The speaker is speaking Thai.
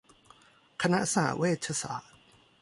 คณะสหเวชศาสตร์